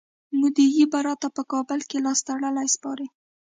مودي به راته په کابل کي لاستړلی سپارئ.